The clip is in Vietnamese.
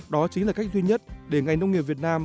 đó chính là cách duy nhất để ngành nông nghiệp việt nam